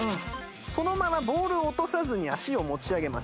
そのままボールを落とさずに足を持ち上げます。